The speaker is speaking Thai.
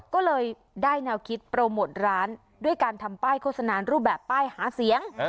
ก็เลยได้แนวคิดโปรโมทร้านด้วยการทำป้ายโฆษณารูปแบบป้ายหาเสียง